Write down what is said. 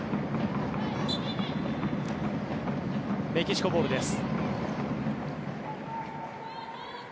メキシコボールです。